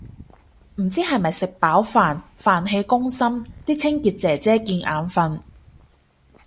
唔知係咪食飽飯，飯氣攻心啲清潔姐姐見眼訓